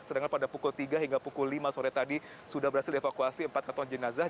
sedangkan pada pukul tiga hingga pukul lima sore tadi sudah berhasil dievakuasi empat keton jenazah